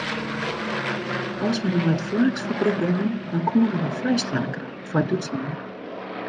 As we nei it flaaksfabryk gongen dan koenen we frijstelling krije foar Dútslân.